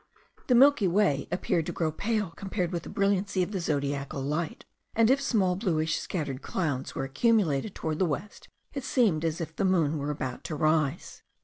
The Milky Way appeared to grow pale compared with the brilliancy of the zodiacal light; and if small, bluish, scattered clouds were accumulated toward the west, it seemed as if the moon were about to rise.